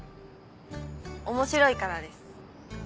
面白いからです。